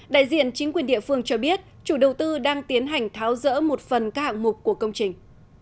đại diện chính quyền địa phương cho biết chủ đầu tư đang tiến hành tháo rỡ một phần các hạng mục của công trình